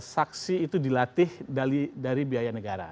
saksi itu dilatih dari biaya negara